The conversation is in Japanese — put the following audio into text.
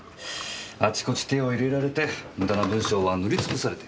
あちこち手を入れられて無駄な文章は塗りつぶされて。